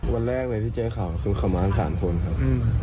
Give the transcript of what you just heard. วันแรกเลยที่เจอข่าวคือเขามากัน๓คนครับ